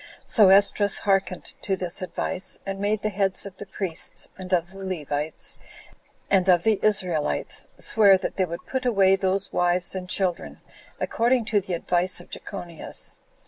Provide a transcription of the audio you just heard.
So Esdras hearkened to this advice, and made the heads of the priests, and of the Levites, and of the Israelites, swear that they would put away those wives and children, according to the advice of Jechonias.